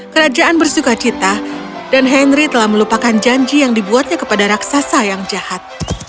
kerajaan bersuka cita dan henry telah melupakan janji yang dibuatnya kepada raksasa yang jahat